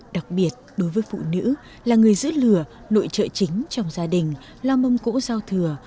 đặc biệt đối với phụ nữ là người giữ lửa nội trợ chính trong gia đình lo mông cỗ giao thừa